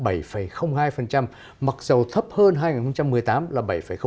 nền kinh tế của chúng ta tăng trưởng bảy hai mặc dù thấp hơn năm hai nghìn một mươi tám là bảy tám